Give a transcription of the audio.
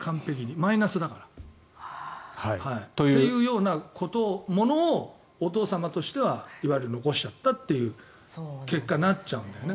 マイナスだから。というようなこと、ものをお父様としてはいわゆる残しちゃったという結果になっちゃうんだよね。